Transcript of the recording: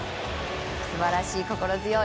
素晴らしい、心強い！